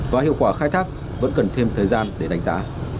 và hiệu quả khai thác vẫn cần thêm thời gian để đánh giá